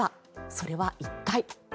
それは一体。